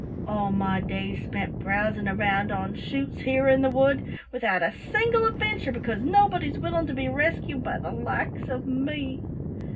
All my days spent browsing round on shoots here in the wood, without a single adventure because nobody's willing to be rescued by the likes of me!